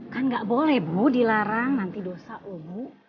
kan gak boleh bu dilarang nanti dosa umum